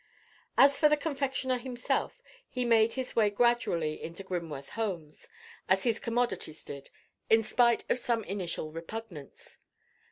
As for the confectioner himself, he made his way gradually into Grimworth homes, as his commodities did, in spite of some initial repugnance.